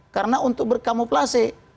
karena untuk berkamuflase